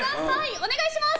お願いします。